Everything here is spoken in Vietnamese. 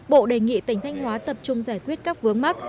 bộ đề nghị tỉnh thanh hóa tập trung giải quyết các vướng mắt